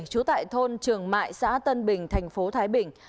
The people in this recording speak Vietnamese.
chú tại thôn trường mại xã tân bình tp thái bình